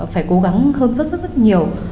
phải cố gắng hơn rất rất rất nhiều